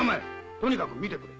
とにかく見てくれ。